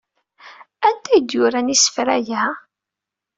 Anta ay d-yuran isefra-a?